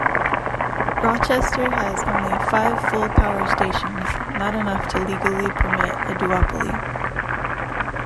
Rochester has only five full-power stations-not enough to legally permit a duopoly.